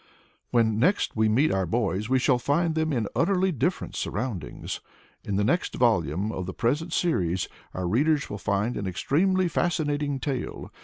When next we meet our boys we shall find them in utterly different surroundings. In the next volume of the present series our readers will find an extremely fascinating tale.